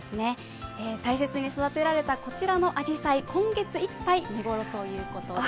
大切に育てられたこちらのあじさい、今月いっぱい、見ごろということです。